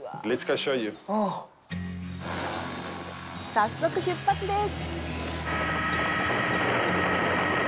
早速、出発です！